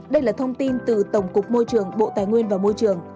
đây là thông tin từ tổng cục môi trường bộ tài nguyên và môi trường